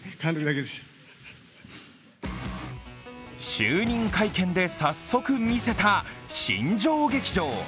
就任会見で早速見せた新庄劇場。